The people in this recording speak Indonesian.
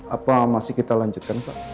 apa masih kita lanjutkan pak